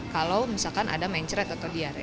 kalau misalkan ada mencret atau diare